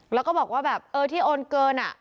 แล้วก็บอกว่าแบบเออที่โอนเกิน